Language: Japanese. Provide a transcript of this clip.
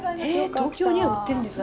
東京には売ってるんですか？